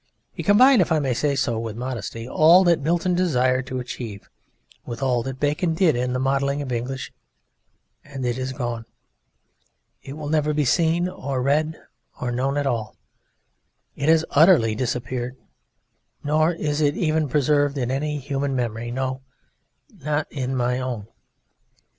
It combined (if I may say so with modesty) all that Milton desired to achieve, with all that Bacon did in the modelling of English.... And it is gone. It will never be seen or read or known at all. It has utterly disappeared nor is it even preserved in any human memory no, not in my own.